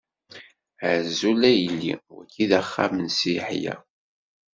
Azul a yelli, d wagi i d axxam n Si Yeḥya?